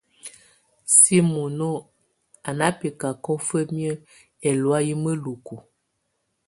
Simono á ná bɛcacɔ fǝ́miǝ́ ɛlɔ̀áyɛ́ mǝ́luku.